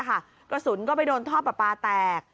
กระสุนก็ไปโดนท่อปลาปลาแตก